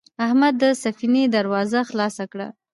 احمد د سفینې دروازه خلاصه کړه.